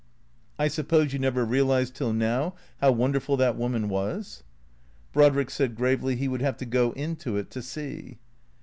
" I suppose you never realized till now how wonderful that woman was ?" Brodrick said gravely he would have to go into it to see.